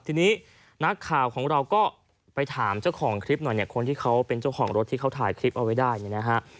ทีนี้นักข่าวของเราก็ไปถามเจ้าของคลิปหน่อยเนี่ยคนที่เขาเป็นเจ้าของรถที่เขาถ่ายคลิปเอาไว้ได้เนี่ยนะฮะ